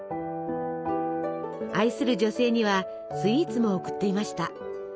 愛する女性にはスイーツも贈っていました。